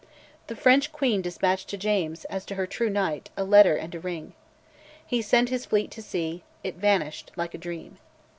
The French queen despatched to James, as to her true knight, a letter and a ring. He sent his fleet to sea; it vanished like a dream.